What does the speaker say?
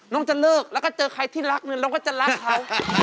น้องจะเลิกแล้วก็เจอใครที่รักเนี่ยน้องก็จะรักเขา